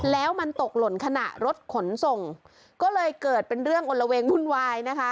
แล้วมันตกหล่นขณะรถขนส่งก็เลยเกิดเป็นเรื่องอลละเวงวุ่นวายนะคะ